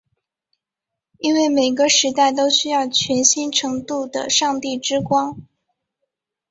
因为每个时代都需要全新程度的上帝之光。